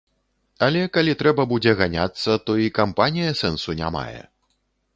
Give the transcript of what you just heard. Але калі трэба будзе ганяцца, то і кампанія сэнсу не мае.